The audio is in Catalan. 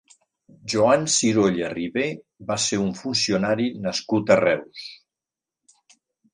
Joan Sirolla Ribé va ser un funcionari nascut a Reus.